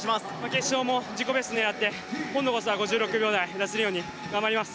決勝も自己ベストを狙って今度こそは５６秒台を出せるように頑張ります。